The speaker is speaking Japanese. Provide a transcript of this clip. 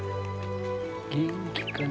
元気かな？